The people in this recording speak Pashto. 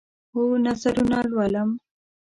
هو، نظرونه لولم